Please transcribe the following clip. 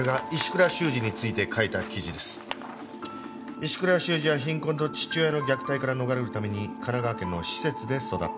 石倉衆二は貧困と父親の虐待から逃れるために神奈川県の施設で育った。